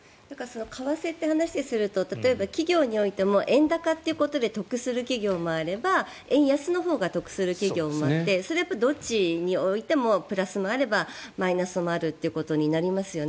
為替っていう話をすると例えば企業においても円高ということで得する企業もあれば円安のほうが得する企業もあってそれはどっちにおいてもプラスもあればマイナスもあるっていうことになりますよね。